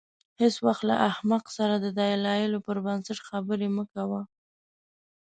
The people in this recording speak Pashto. هېڅ وخت له احمق سره د دلایلو پر بنسټ خبرې مه کوه.